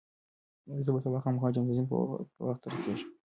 زه به سبا خامخا جمنازیوم ته په وخت ورسېږم.